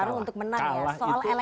bertarung untuk menang ya